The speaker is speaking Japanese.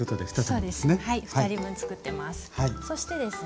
そうですはい２人分作ってます。